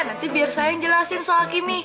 nanti biar saya yang jelasin soal kimi